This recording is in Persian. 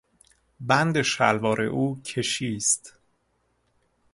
بند شلوار او کشی است.